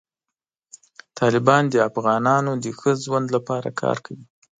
طالبان د افغانانو د ښه ژوند لپاره کار کوي.